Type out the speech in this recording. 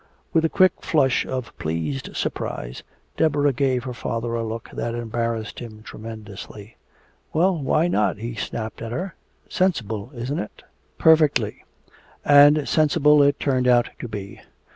With a quick flush of pleased surprise, Deborah gave her father a look that embarrassed him tremendously. "Well, why not?" he snapped at her. "Sensible, isn't it?" "Perfectly." And sensible it turned out to be.